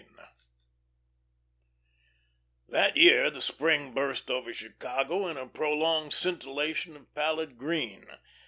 V That year the spring burst over Chicago in a prolonged scintillation of pallid green.